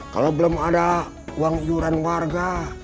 kalau belum ada uang iuran warga